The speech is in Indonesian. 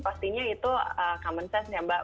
pastinya itu common sense ya mbak